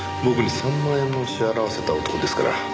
僕に３万円も支払わせた男ですから。